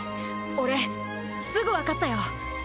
俺すぐわかったよ。